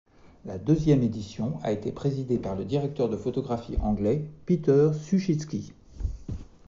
La deuxième édition a été présidé par le directeur de photographie anglais Peter Suschitzky.